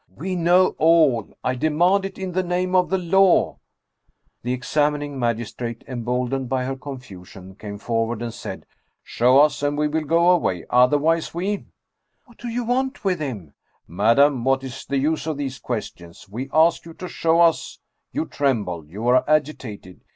"" We know all ! I demand it in the name of the law !" The examining magistrate, emboldened by her confusion, came forward and said :" Show us, and we will go away. Otherwise, we "" What do you want with him ?"" Madam, what is the use of these questions ? We ask you to show us! You tremble, you are agitated.